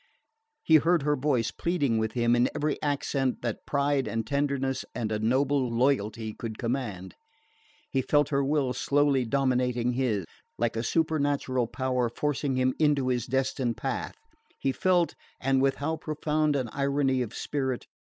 He heard her voice pleading with him in every accent that pride and tenderness and a noble loyalty could command; he felt her will slowly dominating his, like a supernatural power forcing him into his destined path; he felt and with how profound an irony of spirit!